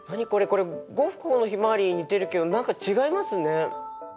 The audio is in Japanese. これゴッホの「ひまわり」に似てるけど何か違いますね。